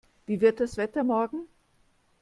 Wie wird das Wetter morgen?